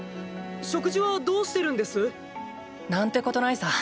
食事はどうしてるんです？なんてことないさ。